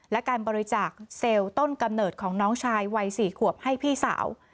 และการบริจาคเซลล์ต้นกำเนิดของน้องชายวัย๔ขวบให้พี่สาว